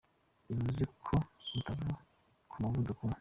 Bivuze ko tutari ku muvuduko umwe.